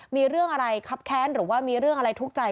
มีเรื่องอะไรครับแค้นหรือว่ามีเรื่องอะไรทุกข์ใจ